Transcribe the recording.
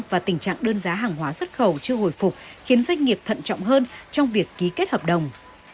và tình trạng đơn giá hàng hóa xuất khẩu chưa hồi phục khiến doanh nghiệp thận trọng hơn trong việc ký kết hợp đồng